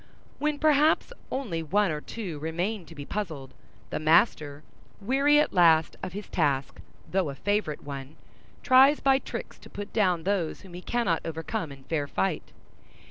When perhaps only one or two remain to be puzzled, the master, weary at last of his task, though a favorite one, tries by tricks to put down those whom he cannot overcome in fair fight.